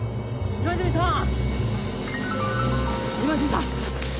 今泉さん！